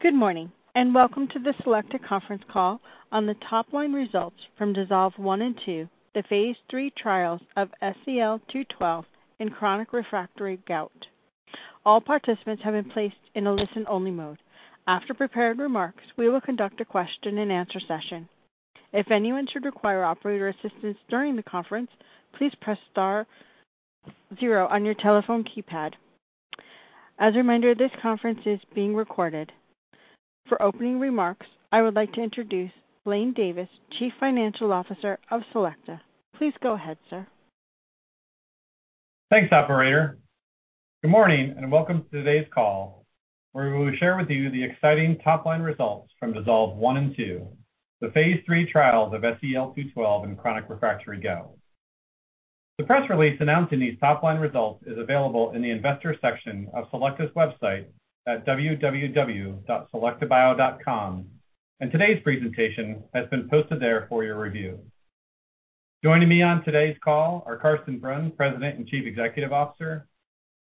Good morning, welcome to the Selecta conference call on the top line results from DISSOLVE I and II, the Phase 3 trials of SEL-212 in chronic refractory gout. All participants have been placed in a listen-only mode. After prepared remarks, we will conduct a question and answer session. If anyone should require operator assistance during the conference, please press star 0 on your telephone keypad. As a reminder, this conference is being recorded. For opening remarks, I would like to introduce Blaine Davis, Chief Financial Officer of Selecta. Please go ahead, sir. Thanks, operator. Good morning, and welcome to today's call, where we will share with you the exciting top-line results from DISSOLVE I and II, the Phase 3 trials of SEL-212 in chronic refractory gout. The press release announcing these top line results is available in the investor section of Selecta's website at www.selectabio.com, and today's presentation has been posted there for your review. Joining me on today's call are Carsten Brunn, President and Chief Executive Officer;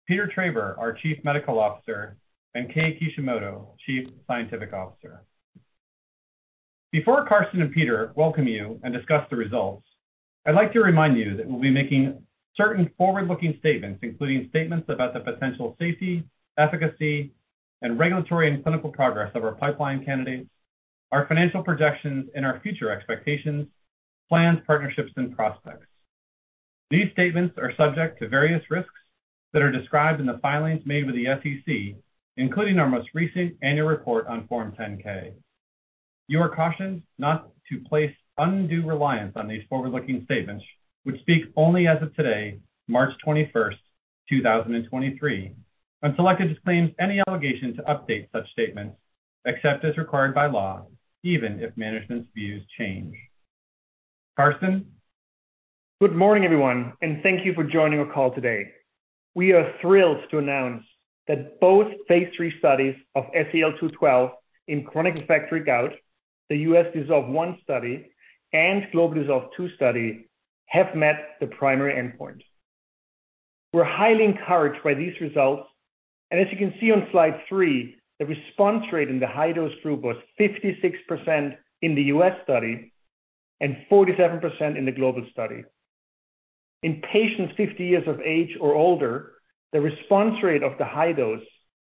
Peter Traber, our Chief Medical Officer; and Kei Kishimoto, Chief Scientific Officer. Before Carsten and Peter welcome you and discuss the results, I'd like to remind you that we'll be making certain forward-looking statements, including statements about the potential safety, efficacy, and regulatory and clinical progress of our pipeline candidates, our financial projections and our future expectations, plans, partnerships, and prospects. These statements are subject to various risks that are described in the filings made with the SEC, including our most recent annual report on Form 10-K. You are cautioned not to place undue reliance on these forward-looking statements, which speak only as of today, March 21st, 2023. Selecta disclaims any obligation to update such statements except as required by law, even if management's views change. Carsten. Good morning, everyone, thank you for joining our call today. We are thrilled to announce that both Phase 3 studies of SEL-212 in chronic refractory gout, the U.S. DISSOLVE I study and global DISSOLVE II study, have met the primary endpoint. We're highly encouraged by these results. As you can see on Slide three, the response rate in the high-dose group was 56% in the U.S. study and 47% in the global study. In patients 50 years of age or older, the response rate of the high dose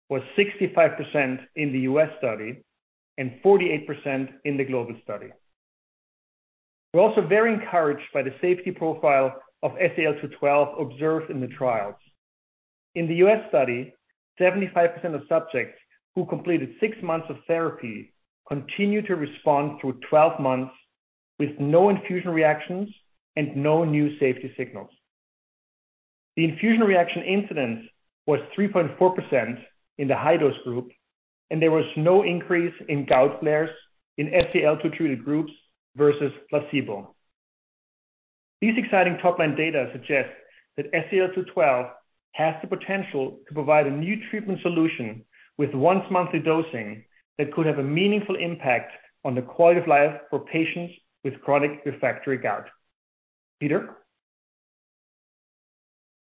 was 65% in the U.S. study and 48% in the global study. We're also very encouraged by the safety profile of SEL-212 observed in the trials. In the U.S. study, 75% of subjects who completed six months of therapy continued to respond through 12 months with no infusion reactions and no new safety signals. The infusion reaction incidence was 3.4% in the high-dose group, and there was no increase in gout flares in SEL-212 treated groups versus placebo. These exciting top-line data suggest that SEL-212 has the potential to provide a new treatment solution with once-monthly dosing that could have a meaningful impact on the quality of life for patients with chronic refractory gout. Peter.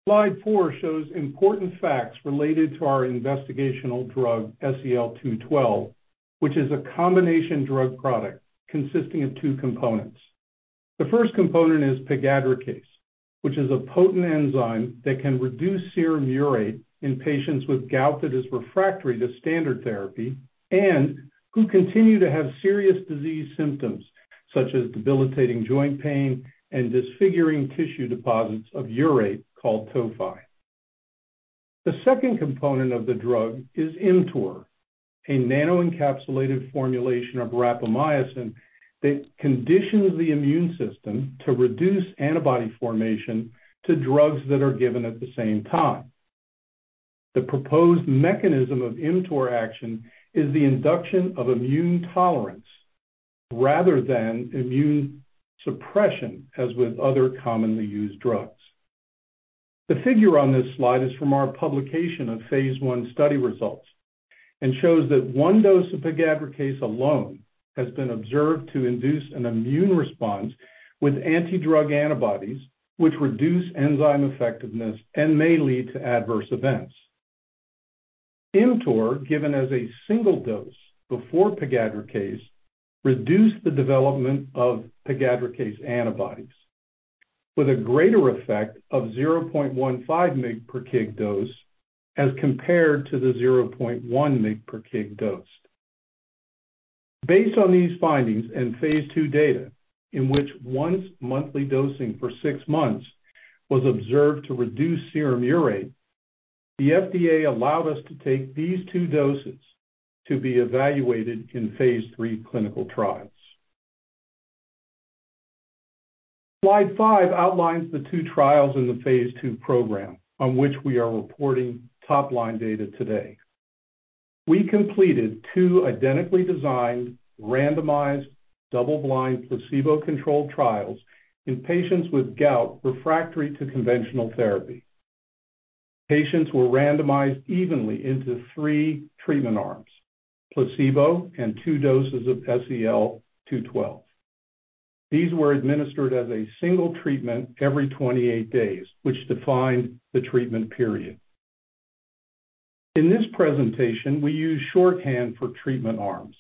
Slide four shows important facts related to our investigational drug, SEL-212, which is a combination drug product consisting of two components. The first component is pegadricase, which is a potent enzyme that can reduce serum urate in patients with gout that is refractory to standard therapy and who continue to have serious disease symptoms such as debilitating joint pain and disfiguring tissue deposits of urate called tophi. The second component of the drug is ImmTOR, a nanoencapsulated formulation of rapamycin that conditions the immune system to reduce antibody formation to drugs that are given at the same time. The proposed mechanism of ImmTOR action is the induction of immune tolerance rather than immune suppression, as with other commonly used drugs. The figure on this slide is from our publication of Phase 1 study results and shows that one dose of pegadricase alone has been observed to induce an immune response with anti-drug antibodies which reduce enzyme effectiveness and may lead to adverse events. ImmTOR, given as a single dose before pegadricase, reduced the development of pegadricase antibodies with a greater effect of 0.15 mg/kg dose as compared to the 0.1 mg/kg dose. Based on these findings and Phase 2 data, in which once-monthly dosing for six months was observed to reduce serum urate, the FDA allowed us to take these two doses to be evaluated in Phase 3 clinical trials. Slide five outlines the two trials in the Phase 2 program on which we are reporting top-line data today. We completed two identically designed randomized double-blind placebo-controlled trials in patients with gout refractory to conventional therapy. Patients were randomized evenly into three treatment arms, placebo and two doses of SEL-212. These were administered as a single treatment every 28 days, which defined the treatment period. In this presentation, we use shorthand for treatment arms.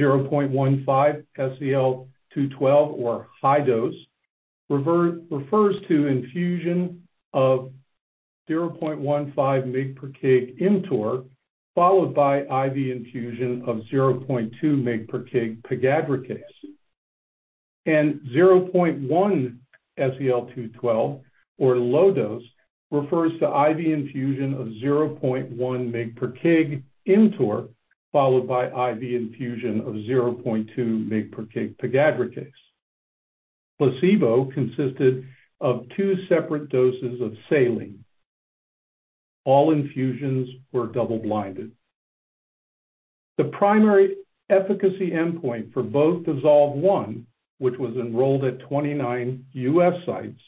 0.15 SEL-212 or high dose refers to infusion of 0.15 mg/kg ImmTOR followed by IV infusion of 0.2 mg/kg pegadricase. 0.1 SEL-212 or low dose refers to IV infusion of 0.1 mg/kg ImmTOR, followed by IV infusion of 0.2 mg/kg pegadricase. Placebo consisted of two separate doses of saline. All infusions were double-blinded. The primary efficacy endpoint for both DISSOLVE I, which was enrolled at 29 U.S. sites,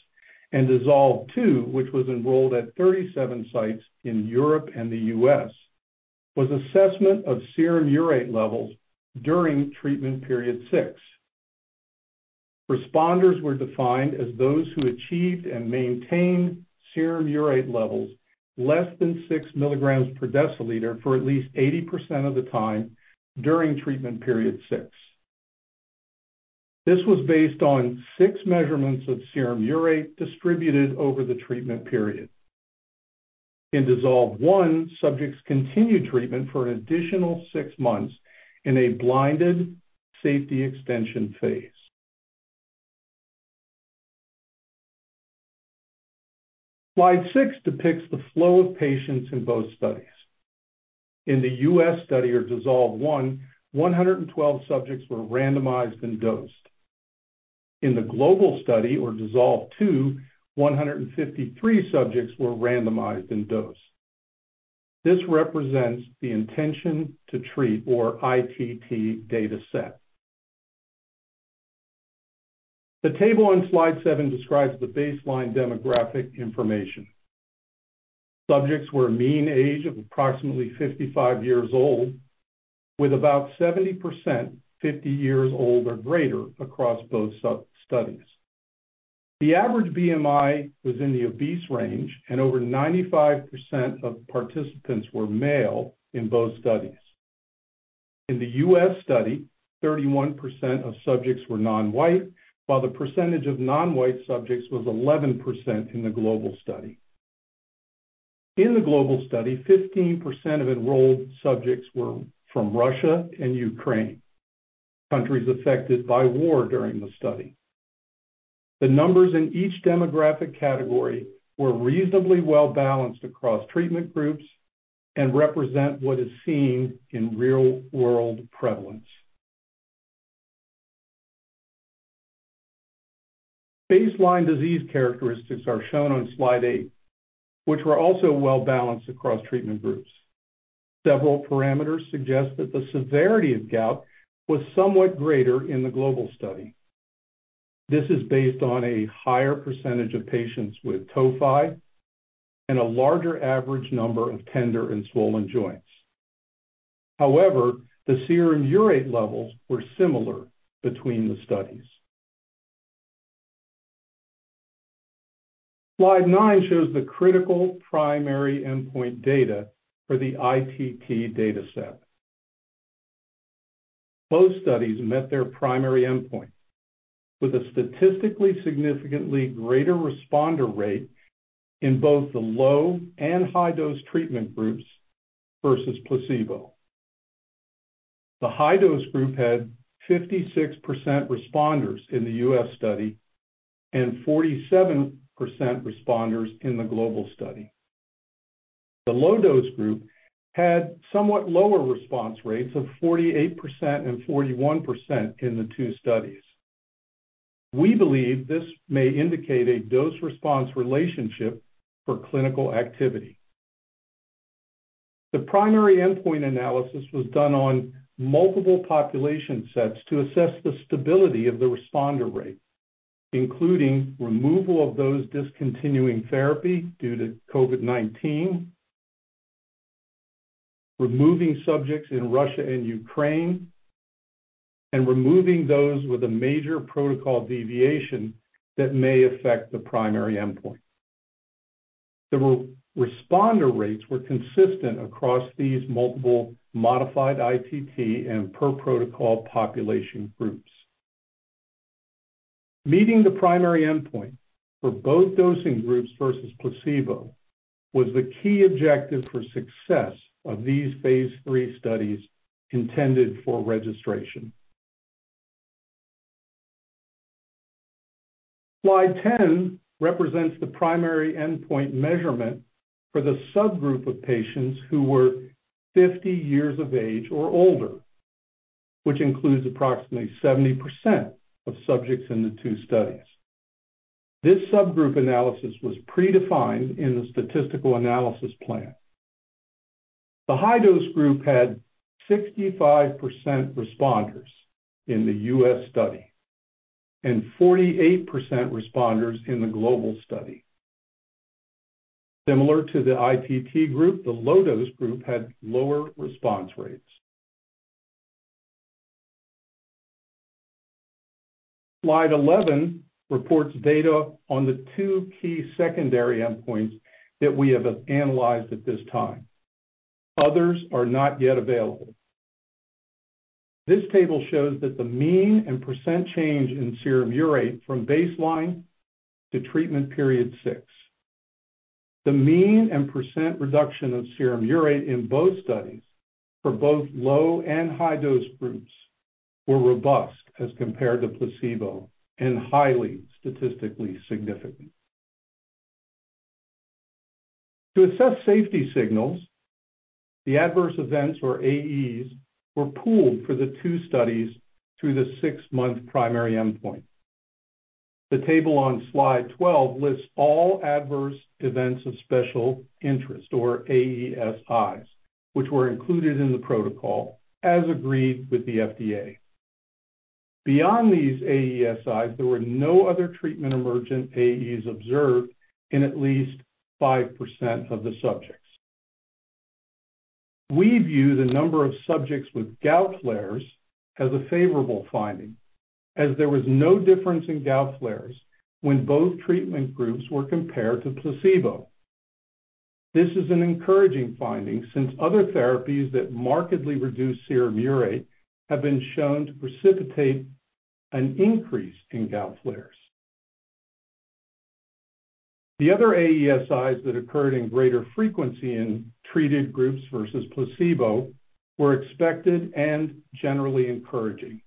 and DISSOLVE II, which was enrolled at 37 sites in Europe and the U.S., was assessment of serum urate levels during treatment period six. Responders were defined as those who achieved and maintained serum urate levels less than 6 milligrams per deciliter for at least 80% of the time during treatment period six. This was based on six measurements of serum urate distributed over the treatment period. In DISSOLVE I, subjects continued treatment for an additional six months in a blinded safety extension phase. Slide six depicts the flow of patients in both studies. In the U.S. study or DISSOLVE I, 112 subjects were randomized and dosed. In the global study or DISSOLVE II, 153 subjects were randomized in dose. This represents the intention to treat or ITT data set. The table on Slide seven describes the baseline demographic information. Subjects were a mean age of approximately 55 years old, with about 70% 50 years old or greater across both studies. The average BMI was in the obese range, and over 95% of participants were male in both studies. In the U.S. study, 31% of subjects were non-white, while the percentage of non-white subjects was 11% in the global study. In the global study, 15% of enrolled subjects were from Russia and Ukraine, countries affected by war during the study. The numbers in each demographic category were reasonably well-balanced across treatment groups and represent what is seen in real-world prevalence. Baseline disease characteristics are shown on Slide eight, which were also well-balanced across treatment groups. Several parameters suggest that the severity of gout was somewhat greater in the global study. This is based on a higher percentage of patients with tophi and a larger average number of tender and swollen joints. However, the serum urate levels were similar between the studies. Slide nine shows the critical primary endpoint data for the ITT data set. Both studies met their primary endpoint with a statistically significantly greater responder rate in both the low and high dose treatment groups versus placebo. The high dose group had 56% responders in the U.S. study and 47% responders in the global study. The low dose group had somewhat lower response rates of 48% and 41% in the two studies. We believe this may indicate a dose response relationship for clinical activity. The primary endpoint analysis was done on multiple population sets to assess the stability of the responder rate, including removal of those discontinuing therapy due to COVID-19, removing subjects in Russia and Ukraine, and removing those with a major protocol deviation that may affect the primary endpoint. The re-responder rates were consistent across these multiple modified ITT and per protocol population groups. Meeting the primary endpoint for both dosing groups versus placebo was the key objective for success of these Phase 3 studies intended for registration. Slide 10 represents the primary endpoint measurement for the subgroup of patients who were 50 years of age or older, which includes approximately 70% of subjects in the two studies. This subgroup analysis was predefined in the statistical analysis plan. The high dose group had 65% responders in the U.S. study and 48% responders in the global study. Similar to the ITT group, the low-dose group had lower response rates. Slide 11 reports data on the two key secondary endpoints that we have analyzed at this time. Others are not yet available. This table shows that the mean and % change in serum urate from baseline to treatment period six. The mean and % reduction of serum urate in both studies for both low and high-dose groups were robust as compared to placebo and highly statistically significant. To assess safety signals, the adverse events, or AEs, were pooled for the two studies through the six-month primary endpoint. The table on Slide 12 lists all adverse events of special interest, or AESIs, which were included in the protocol as agreed with the FDA. Beyond these AESIs, there were no other treatment-emergent AEs observed in at least 5% of the subjects. We view the number of subjects with gout flares as a favorable finding as there was no difference in gout flares when both treatment groups were compared to placebo. This is an encouraging finding since other therapies that markedly reduce serum urate have been shown to precipitate an increase in gout flares. The other AESIs that occurred in greater frequency in treated groups versus placebo were expected and generally encouraging.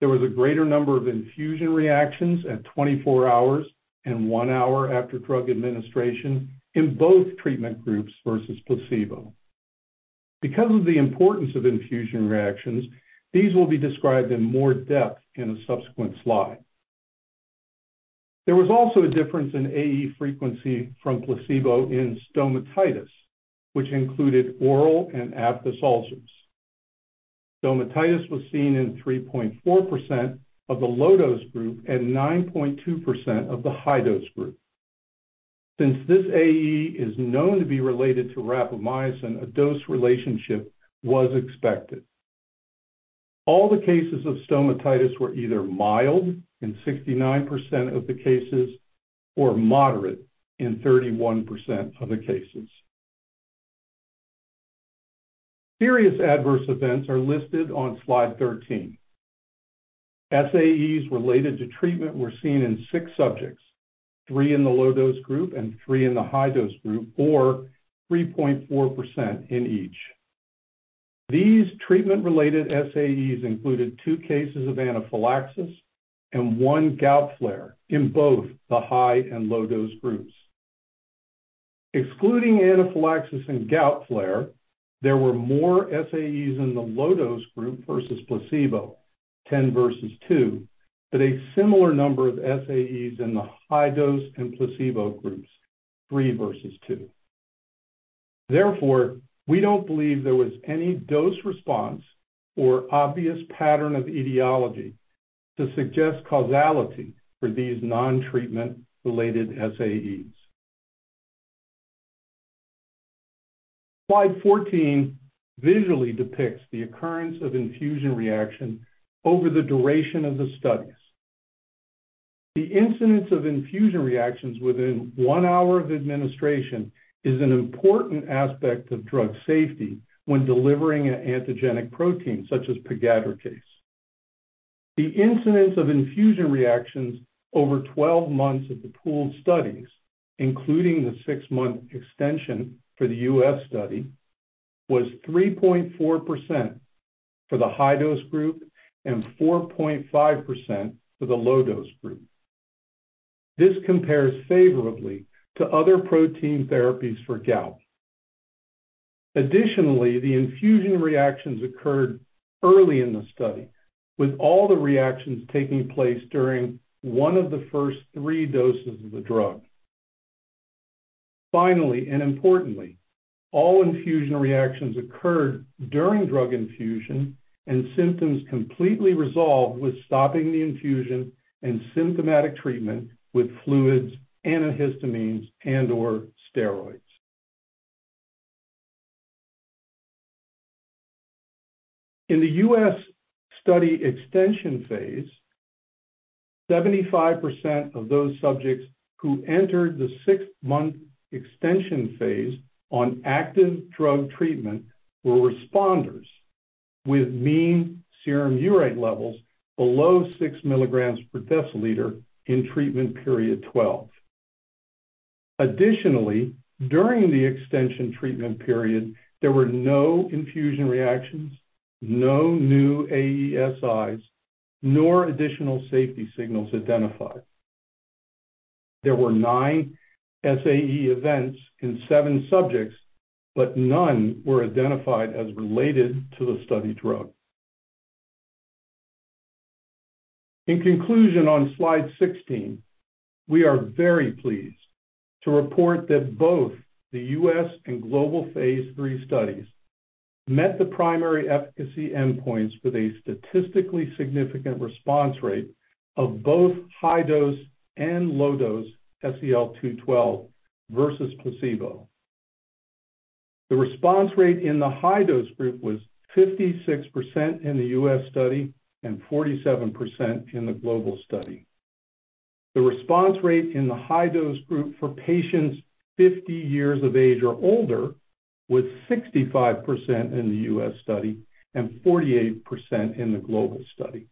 There was a greater number of infusion reactions at 24 hours and 1 hour after drug administration in both treatment groups versus placebo. Because of the importance of infusion reactions, these will be described in more depth in a subsequent slide. There was also a difference in AE frequency from placebo in stomatitis, which included oral and aphthous ulcers. Stomatitis was seen in 3.4% of the low-dose group and 9.2% of the high-dose group. Since this AE is known to be related to rapamycin, a dose relationship was expected. All the cases of stomatitis were either mild in 69% of the cases or moderate in 31% of the cases. Serious adverse events are listed on Slide 13. SAEs related to treatment were seen in six subjects, three in the low-dose group and three in the high-dose group, or 3.4% in each. These treatment-related SAEs included two cases of anaphylaxis and one gout flare in both the high and low-dose groups. Excluding anaphylaxis and gout flare, there were more SAEs in the low-dose group versus placebo, 10 versus two, but a similar number of SAEs in the high-dose and placebo groups, three versus two. We don't believe there was any dose response or obvious pattern of etiology to suggest causality for these non-treatment related SAEs. Slide 14 visually depicts the occurrence of infusion reaction over the duration of the studies. The incidence of infusion reactions within one hour of administration is an important aspect of drug safety when delivering an antigenic protein such as pegadricase. The incidence of infusion reactions over 12 months of the pooled studies, including the six-month extension for the U.S. study, was 3.4% for the high-dose group and 4.5% for the low-dose group. This compares favorably to other protein therapies for gout. The infusion reactions occurred early in the study, with all the reactions taking place during one of the first three doses of the drug. Finally, importantly, all infusion reactions occurred during drug infusion, and symptoms completely resolved with stopping the infusion and symptomatic treatment with fluids, antihistamines, and/or steroids. In the U.S. study extension phase, 75% of those subjects who entered the six-month extension phase on active drug treatment were responders with mean serum urate levels below 6 milligrams per deciliter in treatment period 12. Additionally, during the extension treatment period, there were no infusion reactions, no new AESIs, nor additional safety signals identified. There were nine SAE events in seven subjects, but none were identified as related to the study drug. In conclusion, on Slide 16, we are very pleased to report that both the U.S. and global Phase 3 studies met the primary efficacy endpoints with a statistically significant response rate of both high dose and low dose SEL-212 versus placebo. The response rate in the high dose group was 56% in the U.S. study and 47% in the global study. The response rate in the high dose group for patients 50 years of age or older was 65% in the U.S. study and 48% in the global study.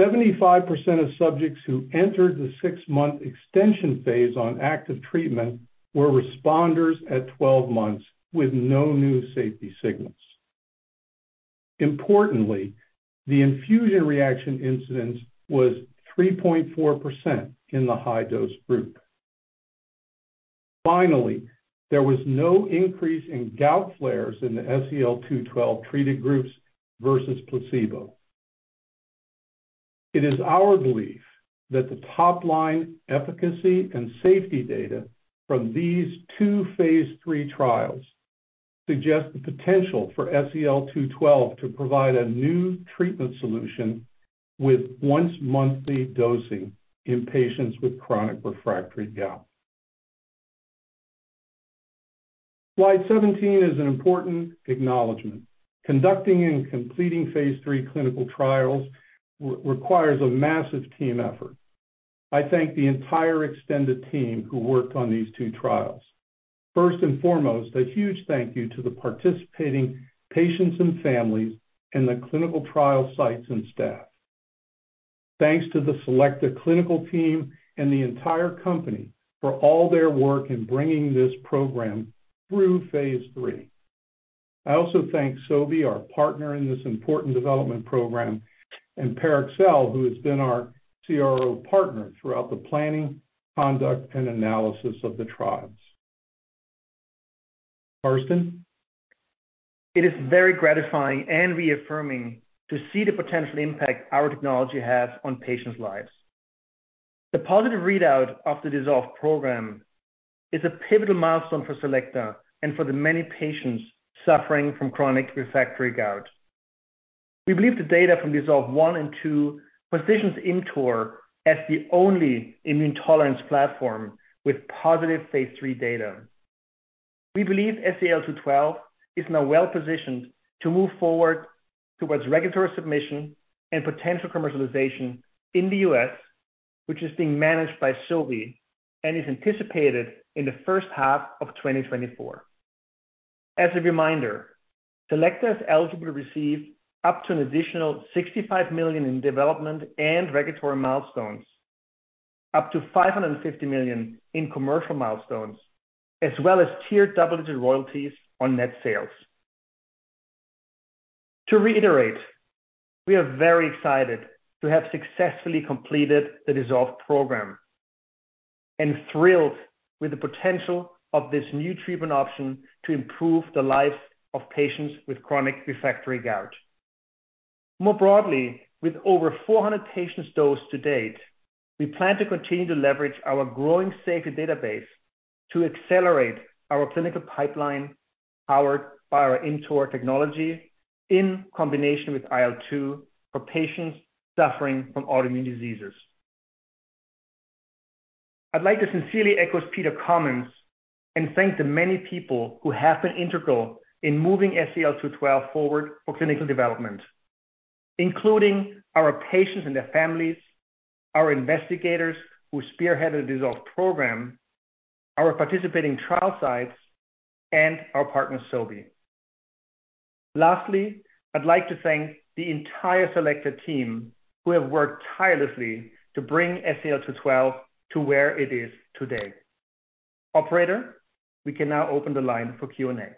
75% of subjects who entered the six-month extension phase on active treatment were responders at 12 months with no new safety signals. Importantly, the infusion reaction incidence was 3.4% in the high dose group. Finally, there was no increase in gout flares in the SEL-212 treated groups versus placebo. It is our belief that the top line efficacy and safety data from these two Phase 3 trials suggest the potential for SEL-212 to provide a new treatment solution with once monthly dosing in patients with chronic refractory gout. Slide 17 is an important acknowledgement. Conducting and completing Phase 3 clinical trials requires a massive team effort. I thank the entire extended team who worked on these two trials. First and foremost, a huge thank you to the participating patients and families and the clinical trial sites and staff. Thanks to the Selecta clinical team and the entire company for all their work in bringing this program through Phase 3. I also thank Sobi, our partner in this important development program, and Parexel, who has been our CRO partner throughout the planning, conduct and analysis of the trials. Carsten. It is very gratifying and reaffirming to see the potential impact our technology has on patients' lives. The positive readout of the DISSOLVE program is a pivotal milestone for Selecta and for the many patients suffering from chronic refractory gout. We believe the data from DISSOLVE I and II positions ImmTOR as the only immune tolerance platform with positive Phase 3 data. We believe SEL-212 is now well positioned to move forward towards regulatory submission and potential commercialization in the U.S., which is being managed by Sobi and is anticipated in the first half of 2024. As a reminder, Selecta is eligible to receive up to an additional $65 million in development and regulatory milestones, up to $550 million in commercial milestones, as well as tier double-digit royalties on net sales. To reiterate, we are very excited to have successfully completed the DISSOLVE program and thrilled with the potential of this new treatment option to improve the lives of patients with chronic refractory gout. More broadly, with over 400 patients dosed to date, we plan to continue to leverage our growing safety database to accelerate our clinical pipeline powered by our ImmTOR technology in combination with IL-2 for patients suffering from autoimmune diseases. I'd like to sincerely echo Peter comments and thank the many people who have been integral in moving SEL-212 forward for clinical development, including our patients and their families, our investigators who spearheaded the DISSOLVE program, our participating trial sites, and our partner, Sobi. Lastly, I'd like to thank the entire Selecta team who have worked tirelessly to bring SEL-212 to where it is today. Operator, we can now open the line for Q&A.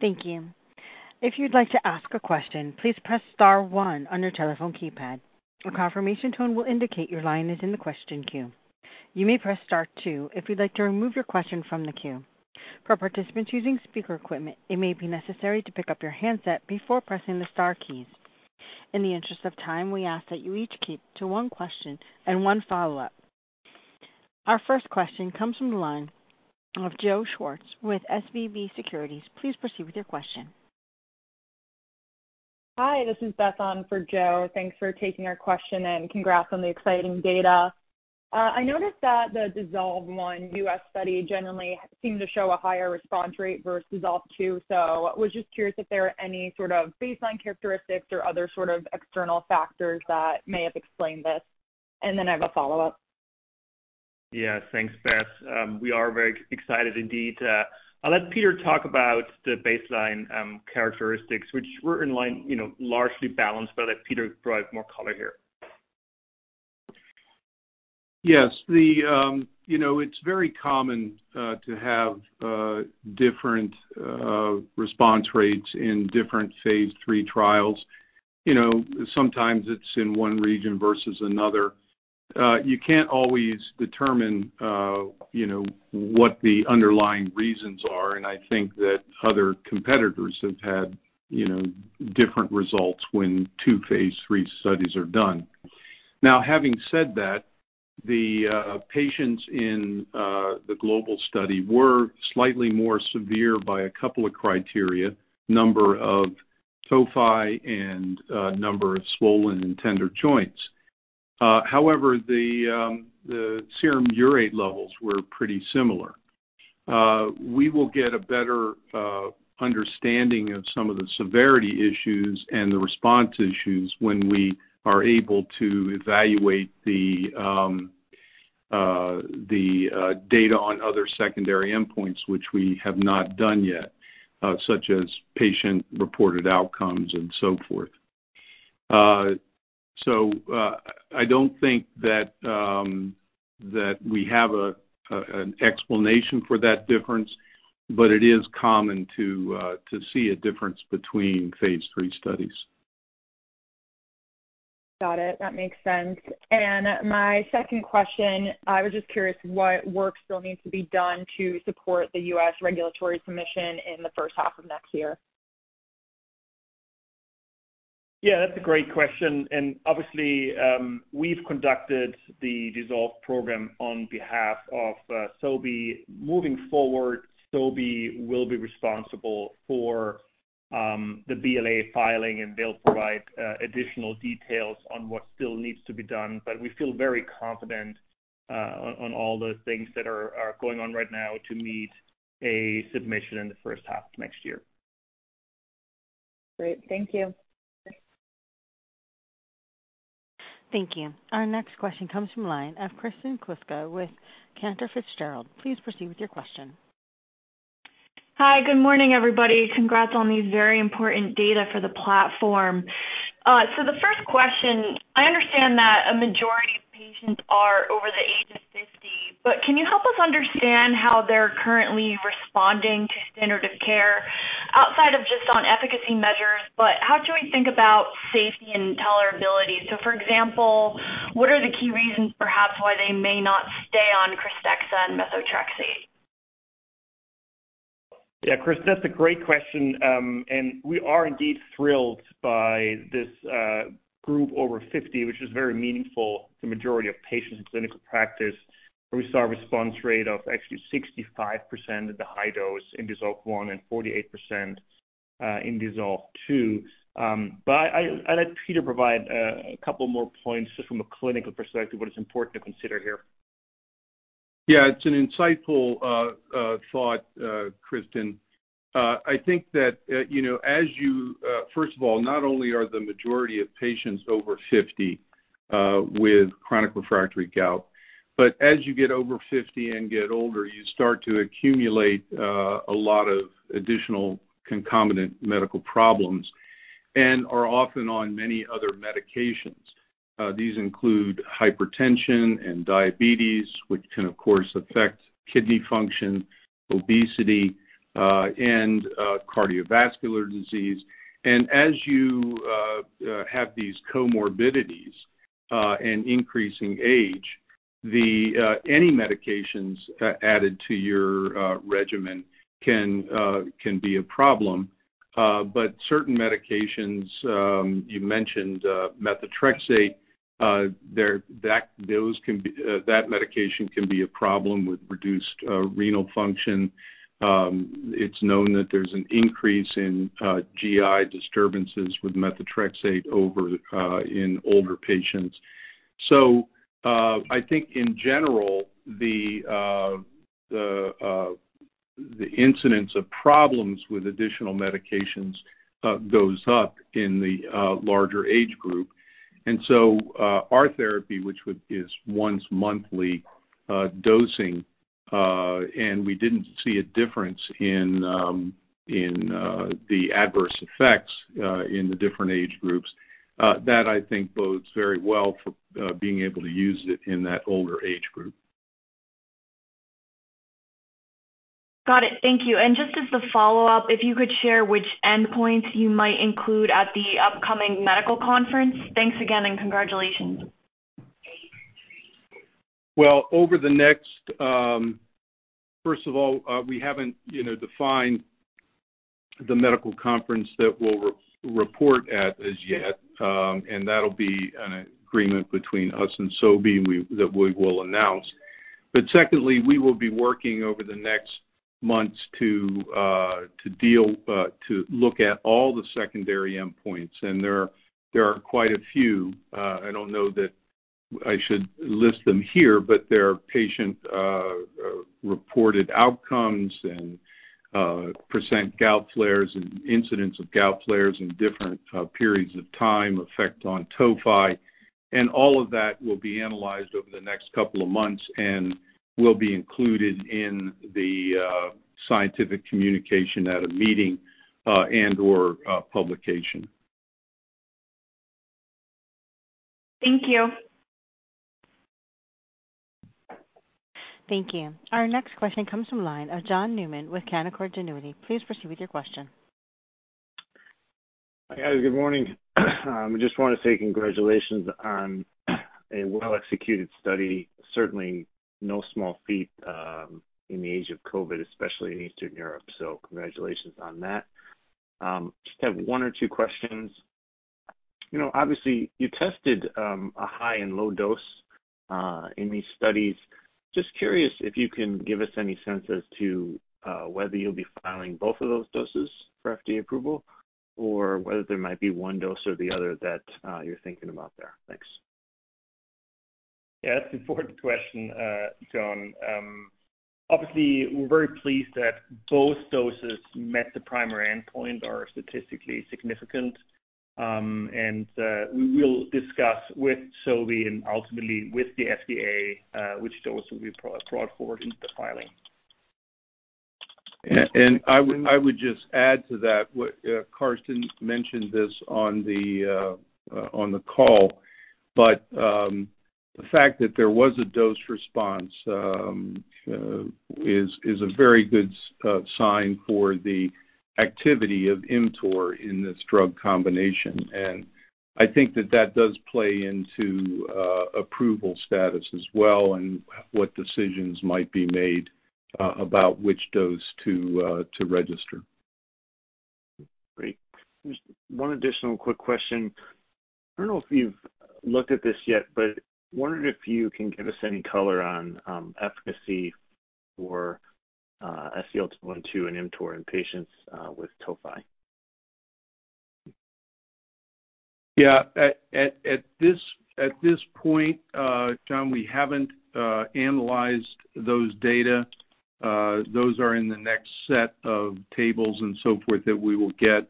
Thank you. If you'd like to ask a question, please press star one on your telephone keypad. A confirmation tone will indicate your line is in the question queue. You may press star two if you'd like to remove your question from the queue. For participants using speaker equipment, it may be necessary to pick up your handset before pressing the star keys. In the interest of time, we ask that you each keep to one question and one follow-up. Our first question comes from the line of Joe Schwartz with SVB Securities. Please proceed with your question. Hi, this is Beth on for Joe. Thanks for taking our question, and congrats on the exciting data. I noticed that the DISSOLVE I U.S. study generally seemed to show a higher response rate versus DISSOLVE II. I was just curious if there are any sort of baseline characteristics or other sort of external factors that may have explained this. I have a follow-up. Yeah. Thanks, Beth. We are very excited indeed. I'll let Peter talk about the baseline characteristics which were in line, you know, largely balanced, but I'll let Peter provide more color here. Yes. The, you know, it's very common, to have, different, response rates in different Phase 3 trials. You know, sometimes it's in one region versus another. You can't always determine, you know, what the underlying reasons are, and I think that other competitors have had, you know, different results when two Phase 3 studies are done. Now, having said that. The patients in the global study were slightly more severe by a couple of criteria, number of tophi and number of swollen and tender joints. However, the serum urate levels were pretty similar. We will get a better understanding of some of the severity issues and the response issues when we are able to evaluate the data on other secondary endpoints, which we have not done yet, such as patient-reported outcomes and so forth. I don't think that we have an explanation for that difference, but it is common to see a difference between Phase 3 studies. Got it. That makes sense. My second question, I was just curious what work still needs to be done to support the U.S. regulatory submission in the first half of next year? Yeah, that's a great question. Obviously, we've conducted the DISSOLVE program on behalf of Sobi. Moving forward, Sobi will be responsible for the BLA filing, and they'll provide additional details on what still needs to be done. We feel very confident on all the things that are going on right now to meet a submission in the first half of next year. Great. Thank you. Thank you. Our next question comes from line of Kristen Kluska with Cantor Fitzgerald. Please proceed with your question. Hi. Good morning, everybody. Congrats on these very important data for the platform. The first question, I understand that a majority of patients are over the age of 50, but can you help us understand how they're currently responding to standard of care outside of just on efficacy measures, but how should we think about safety and tolerability? For example, what are the key reasons perhaps why they may not stay on KRYSTEXXA and methotrexate? Yeah, Kristen, that's a great question. We are indeed thrilled by this group over 50, which is very meaningful to majority of patients in clinical practice, where we saw a response rate of actually 65% at the high dose in DISSOLVE I and 48% in DISSOLVE II. I'd like Peter provide a couple more points just from a clinical perspective what is important to consider here. Yeah, it's an insightful thought, Kristen. I think that, you know, as you, first of all, not only are the majority of patients over 50 with chronic refractory gout, but as you get over 50 and get older, you start to accumulate a lot of additional concomitant medical problems and are often on many other medications. These include hypertension and diabetes, which can, of course, affect kidney function, obesity, and cardiovascular disease. As you have these comorbidities and increasing age, the any medications added to your regimen can be a problem. Certain medications, you mentioned methotrexate there, that medication can be a problem with reduced renal function. It's known that there's an increase in GI disturbances with methotrexate over in older patients. I think in general, the incidence of problems with additional medications goes up in the larger age group. Our therapy, which is once monthly dosing, and we didn't see a difference in the adverse effects in the different age groups, that I think bodes very well for being able to use it in that older age group. Got it. Thank you. Just as a follow-up, if you could share which endpoints you might include at the upcoming medical conference? Thanks again, congratulations. Over the next, First of all, we haven't, you know, defined the medical conference that we'll re-report at as yet. That'll be an agreement between us and Sobi that we will announce. Secondly, we will be working over the next months to look at all the secondary endpoints, and there are quite a few. I don't know that I should list them here, there are patient-reported outcomes and % gout flares and incidents of gout flares in different periods of time, effect on tophi. All of that will be analyzed over the next couple of months and will be included in the scientific communication at a meeting and/or publication. Thank you. Thank you. Our next question comes from line of John Newman with Canaccord Genuity. Please proceed with your question. Hi, guys. Good morning. Just wanna say congratulations on a well-executed study. Certainly no small feat in the age of COVID-19, especially in Eastern Europe. Congratulations on that. Just have one or two questions. You know, obviously you tested a high and low dose in these studies. Just curious if you can give us any sense as to whether you'll be filing both of those doses for FDA approval or whether there might be one dose or the other that you're thinking about there. Thanks. Yeah, that's an important question, John. Obviously, we're very pleased that both doses met the primary endpoint are statistically significant. We will discuss with Sobi and ultimately with the FDA, which dose will be brought forward into the filing. I would just add to that. What Carsten mentioned this on the call, but the fact that there was a dose response is a very good sign for the activity of ImmTOR in this drug combination. I think that that does play into approval status as well and what decisions might be made about which dose to register. Great. Just one additional quick question. I don't know if you've looked at this yet, but wondering if you can give us any color on efficacy for SEL-212 and ImmTOR in patients with tophi? Yeah. At this point, John, we haven't analyzed those data. Those are in the next set of tables and so forth that we will get.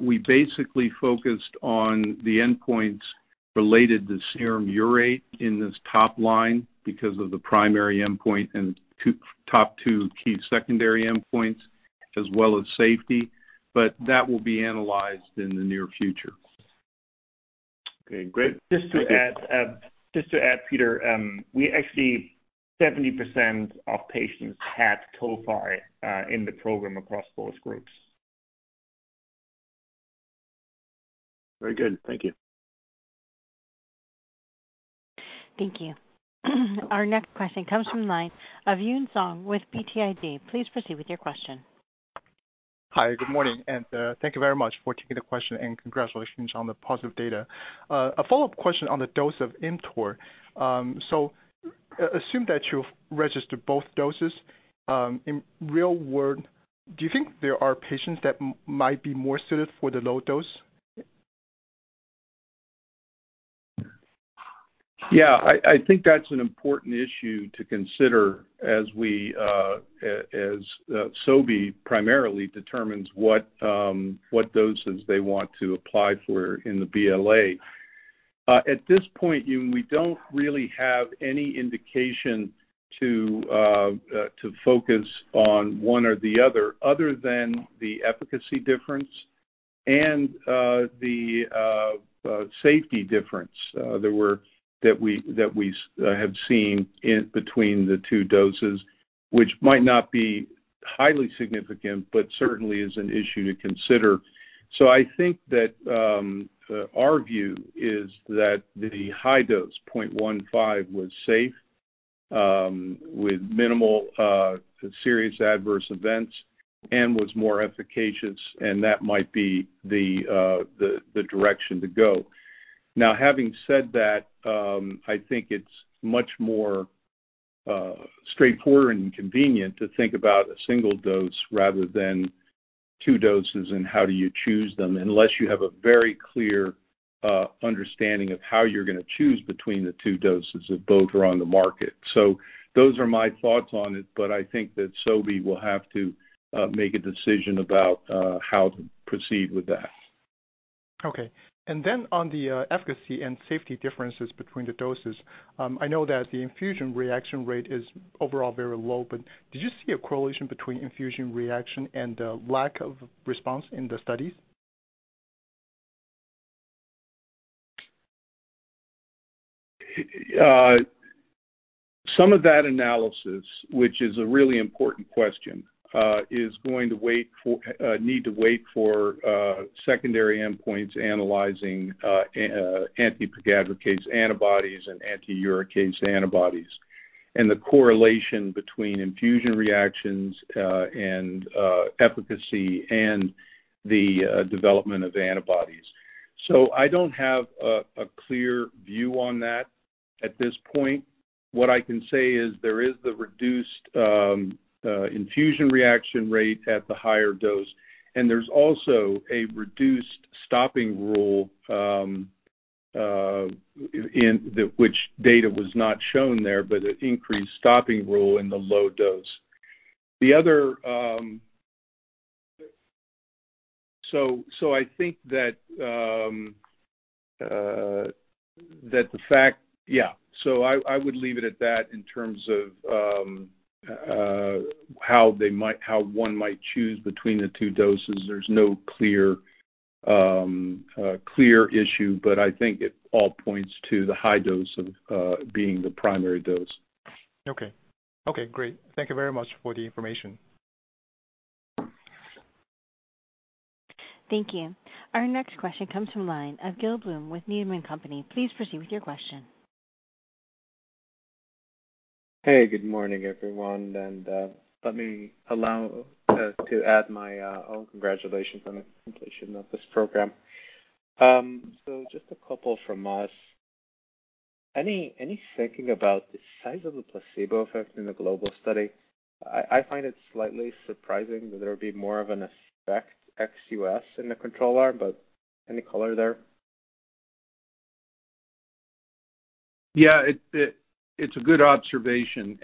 We basically focused on the endpoints related to serum urate in this top line because of the primary endpoint and top 2 key secondary endpoints as well as safety. That will be analyzed in the near future. Okay, great. Just to add, Peter, we actually 70% of patients had tophi in the program across both groups. Very good. Thank you. Thank you. Our next question comes from the line of Yun Zhong with BTIG. Please proceed with your question. Hi. Good morning, thank you very much for taking the question, and congratulations on the positive data. A follow-up question on the dose of ImmTOR. Assume that you've registered both doses. In real world, do you think there are patients that might be more suited for the low dose? Yeah. I think that's an important issue to consider as we, as Sobi primarily determines what doses they want to apply for in the BLA. At this point, Yun, we don't really have any indication to focus on one or the other than the efficacy difference and the safety difference that we have seen in between the two doses, which might not be highly significant, but certainly is an issue to consider. I think that our view is that the high dose 0.15 was safe with minimal SAEs and was more efficacious, and that might be the direction to go. Having said that, I think it's much more straightforward and convenient to think about a single dose rather than two doses and how do you choose them, unless you have a very clear understanding of how you're gonna choose between the two doses if both are on the market. Those are my thoughts on it, but I think that Sobi will have to make a decision about how to proceed with that. Okay. On the efficacy and safety differences between the doses, I know that the infusion reaction rate is overall very low, but did you see a correlation between infusion reaction and the lack of response in the studies? Some of that analysis, which is a really important question, need to wait for secondary endpoints analyzing anti-pegadricase antibodies and anti-uricase antibodies and the correlation between infusion reactions and efficacy and the development of antibodies. I don't have a clear view on that at this point. What I can say is there is the reduced infusion reaction rate at the higher dose, and there's also a reduced stopping rule which data was not shown there, but an increased stopping rule in the low dose. The other. I think that the fact. I would leave it at that in terms of how they might, how one might choose between the two doses. There's no clear issue, but I think it all points to the high dose of being the primary dose. Okay. Okay, great. Thank you very much for the information. Thank you. Our next question comes from line of Gil Blum with Needham & Company. Please proceed with your question. Hey, good morning, everyone, let me allow to add my own congratulations on the completion of this program. Just a couple from us. Any thinking about the size of the placebo effect in the global study? I find it slightly surprising that there would be more of an effect ex-U.S. in the control arm, but any color there? Yeah, it's a good observation.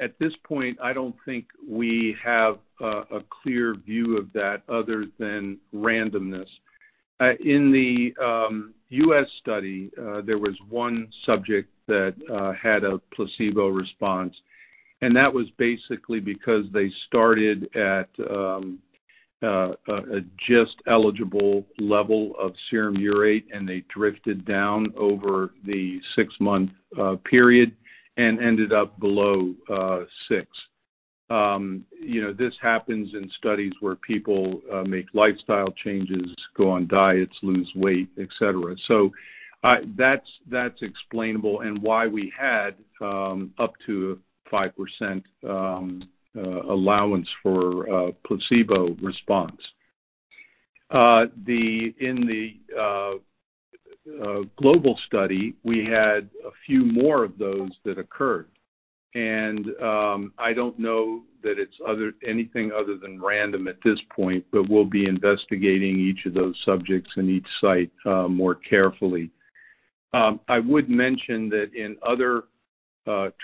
At this point, I don't think we have a clear view of that other than randomness. In the U.S. study, there was one subject that had a placebo response, and that was basically because they started at a just eligible level of serum urate, and they drifted down over the six-month period and ended up below six. You know, this happens in studies where people make lifestyle changes, go on diets, lose weight, etc. That's explainable and why we had up to 5% allowance for a placebo response. In the global study, we had a few more of those that occurred. I don't know that it's anything other than random at this point, but we'll be investigating each of those subjects in each site more carefully. I would mention that in other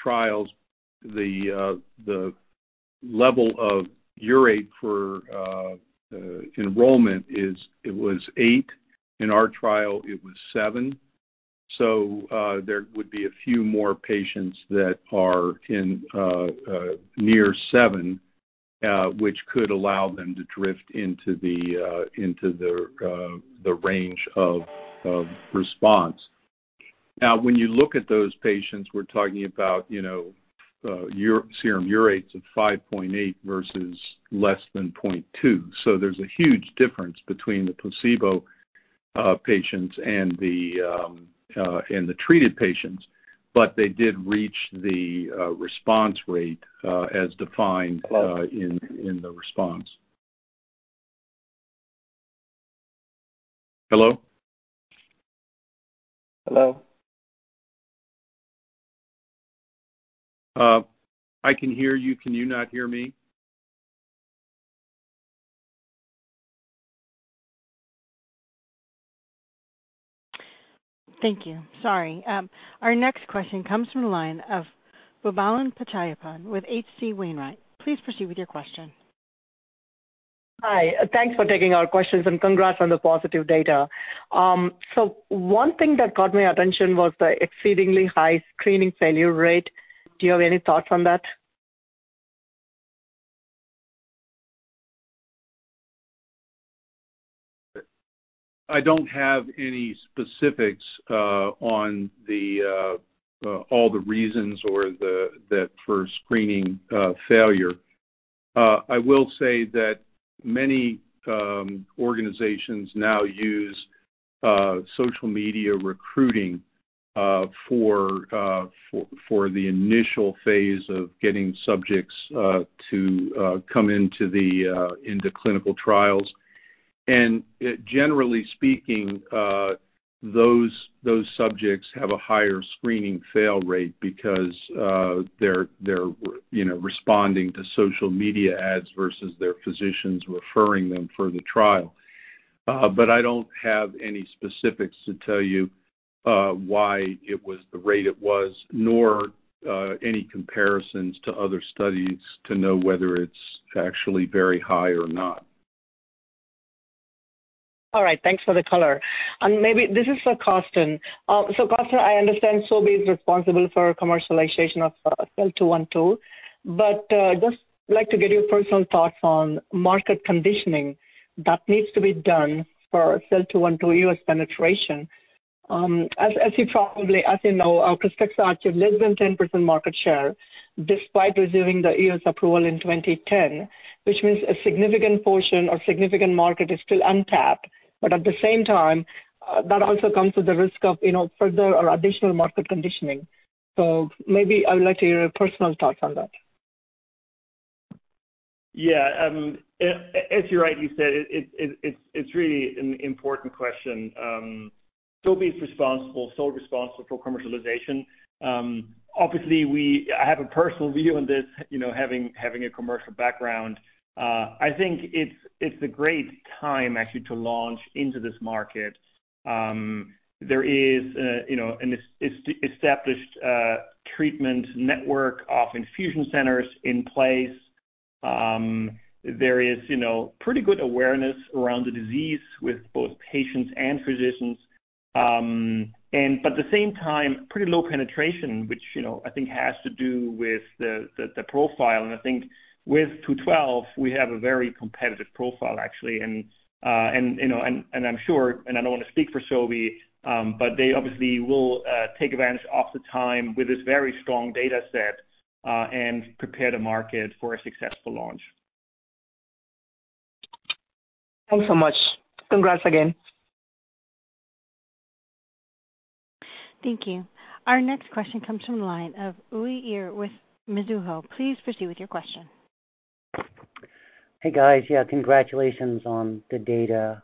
trials, the level of urate for enrollmen itt was eight. In our trial, it was seven. There would be a few more patients that are in near seven, which could allow them to drift into the range of response. Now, when you look at those patients, we're talking about, you know, serum urates of 5.8 versus less than 0.2. There's a huge difference between the placebo patients and the treated patients. They did reach the response rate as defined- Hello? In the response. Hello? Hello. I can hear you. Can you not hear me? Thank you. Sorry. Our next question comes from the line of Boobalan Pachaiyappan with H.C. Wainwright. Please proceed with your question. Hi. Thanks for taking our questions. Congrats on the positive data. One thing that caught my attention was the exceedingly high screening failure rate. Do you have any thoughts on that? I don't have any specifics on the all the reasons or that for screening failure. I will say that many organizations now use social media recruiting for the initial phase of getting subjects to come into the clinical trials. Generally speaking, those subjects have a higher screening fail rate because they're, you know, responding to social media ads versus their physicians referring them for the trial. I don't have any specifics to tell you why it was the rate it was, nor any comparisons to other studies to know whether it's actually very high or not. All right. Thanks for the color. Maybe this is for Carsten. Carsten, I understand Sobi is responsible for commercialization of SEL-212. just like to get your personal thoughts on market conditioning that needs to be done for SEL-212 U.S. penetration. as you probably, as you know, KRYSTEXXA actually have less than 10% market share despite receiving the U.S. approval in 2010, which means a significant portion or significant market is still untapped. At the same time, that also comes with the risk of, you know, further or additional market conditioning. maybe I would like to hear your personal thoughts on that. Yeah. As you rightly said, it's really an important question. Sobi's responsible, sole responsible for commercialization. Obviously I have a personal view on this, you know, having a commercial background. I think it's a great time actually to launch into this market. There is, you know, an established treatment network of infusion centers in place. There is, you know, pretty good awareness around the disease with both patients and physicians. At the same time, pretty low penetration, which, you know, I think has to do with the profile. I think with SEL-212, we have a very competitive profile actually. You know, and I'm sure, and I don't wanna speak for Sobi, but they obviously will take advantage of the time with this very strong data set and prepare the market for a successful launch. Thanks so much. Congrats again. Thank you. Our next question comes from the line of Uy Ear with Mizuho. Please proceed with your question. Hey, guys. Yeah, congratulations on the data.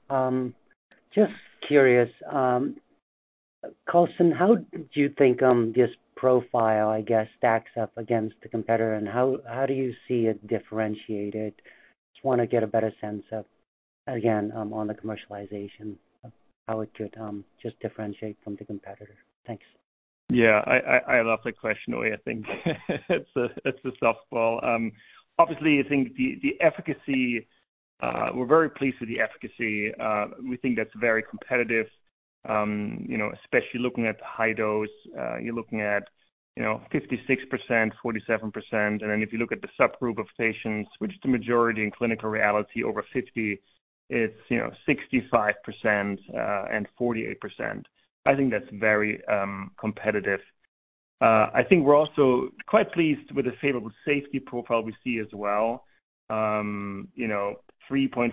Just curious, Carsten Brunn, how do you think this profile, I guess, stacks up against the competitor and how do you see it differentiated? Just wanna get a better sense of, again, on the commercialization, how it could just differentiate from the competitor. Thanks. Yeah, I love the question, Uy. I think it's a softball. Obviously, I think the efficacy, we're very pleased with the efficacy. We think that's very competitive, you know, especially looking at the high dose. You're looking at, you know, 56%, 47%. If you look at the subgroup of patients, which the majority in clinical reality over 50 is, you know, 65%, and 48%. I think that's very competitive. I think we're also quite pleased with the favorable safety profile we see as well. You know, 3.4%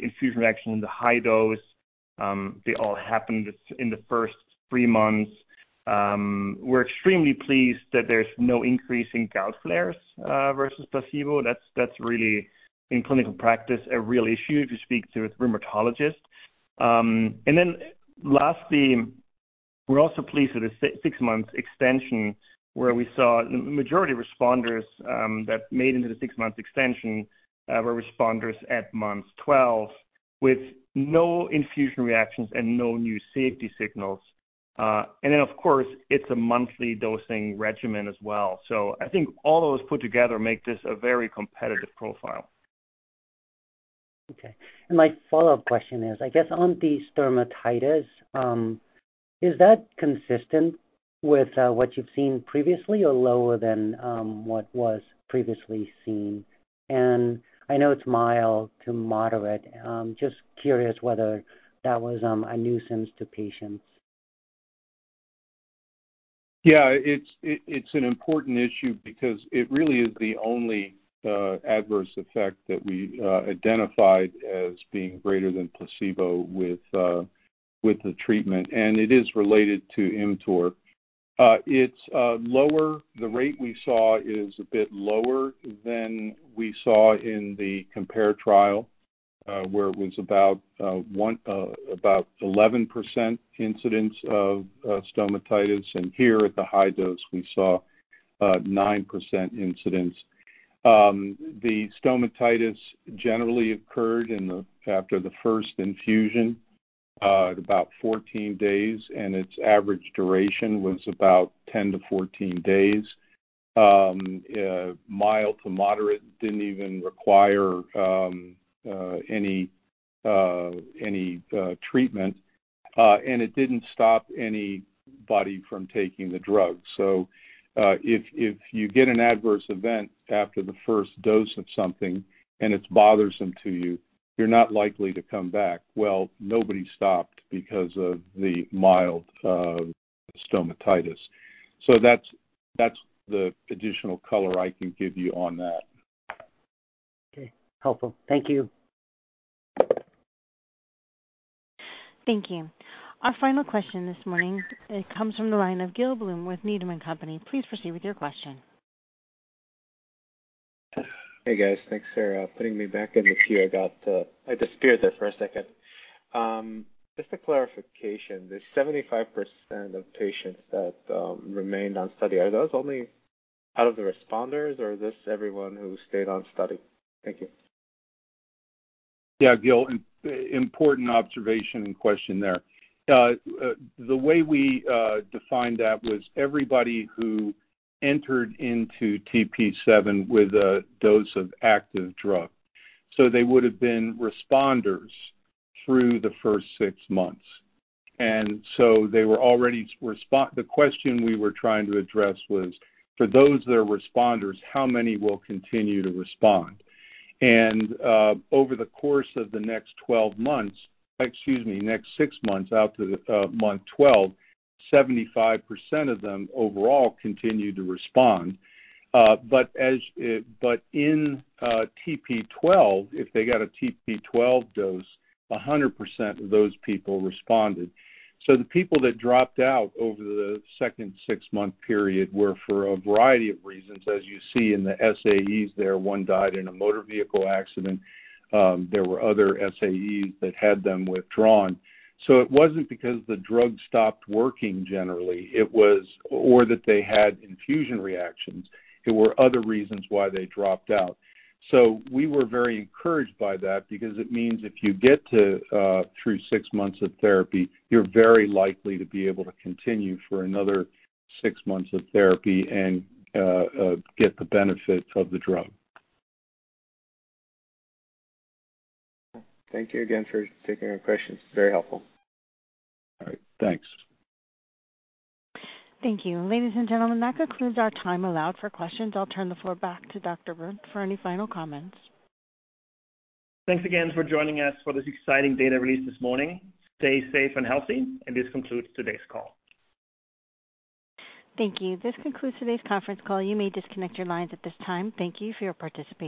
infusion reaction in the high dose. They all happened in the first three months. We're extremely pleased that there's no increase in gout flares versus placebo. That's really, in clinical practice, a real issue if you speak to a rheumatologist. Lastly, we're also pleased with the six-month extension, where we saw majority responders, that made it into the six-month extension, were responders at month 12, with no infusion reactions and no new safety signals. Of course it's a monthly dosing regimen as well. I think all those put together make this a very competitive profile. Okay. My follow-up question is, I guess on the stomatitis, is that consistent with what you've seen previously or lower than what was previously seen? I know it's mild to moderate. Just curious whether that was a nuisance to patients? Yeah, it's an important issue because it really is the only adverse effect that we identified as being greater than placebo with the treatment, and it is related to ImmTOR. It's lower. The rate we saw is a bit lower than we saw in the COMPARE trial, where it was about 11% incidence of stomatitis. Here at the high dose, we saw 9% incidence. The stomatitis generally occurred after the first infusion, at about 14 days, and its average duration was about 10-14 days. Mild to moderate. Didn't even require any treatment. It didn't stop anybody from taking the drug. If you get an adverse event after the first dose of something and it's bothersome to you're not likely to come back. Well, nobody stopped because of the mild stomatitis. That's the additional color I can give you on that. Okay. Helpful. Thank you. Thank you. Our final question this morning comes from the line of Gil Blum with Needham & Company. Please proceed with your question. Hey, guys. Thanks for putting me back in the queue. I got, I disappeared there for a second. Just a clarification. The 75% of patients that remained on study, are those only out of the responders or is this everyone who stayed on study? Thank you. Yeah, Gil. Important observation and question there. The way we defined that was everybody who entered into TP7 with a dose of active drug. They would have been responders through the first six months. They were already The question we were trying to address was, for those that are responders, how many will continue to respond? Over the course of the next 12 months, excuse me, next six months out to the month 12, 75% of them overall continued to respond. But as, but in TP12, if they got a TP12 dose, 100% of those people responded. The people that dropped out over the second six-month period were for a variety of reasons. As you see in the SAEs there, one died in a motor vehicle accident. There were other SAEs that had them withdrawn. It wasn't because the drug stopped working generally. That they had infusion reactions. There were other reasons why they dropped out. We were very encouraged by that because it means if you get to through six months of therapy, you're very likely to be able to continue for another six months of therapy and get the benefit of the drug. Thank you again for taking our questions. Very helpful. All right. Thanks. Thank you. Ladies and gentlemen, that concludes our time allowed for questions. I'll turn the floor back to Dr. Brunn for any final comments. Thanks again for joining us for this exciting data release this morning. Stay safe and healthy, and this concludes today's call. Thank you. This concludes today's conference call. You may disconnect your lines at this time. Thank you for your participation.